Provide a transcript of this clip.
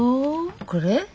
これ？